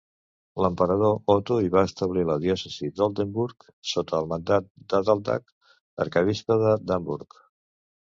L'emperador Otto I va establir la diòcesi d'Oldenburg sota el mandat d'Adaldag, arquebisbe d'Hamburg.